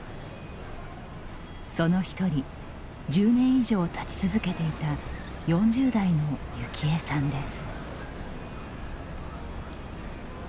その１人、１０年以上立ち続けていた４０代の幸恵さんです。